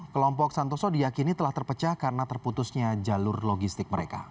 kelompok santoso diakini telah terpecah karena terputusnya jalur logistik mereka